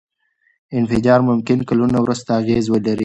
انفجار ممکن کلونه وروسته اغېز ولري.